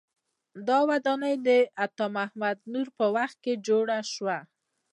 دا ودانۍ د عطا محمد نور په وخت کې جوړه شوه.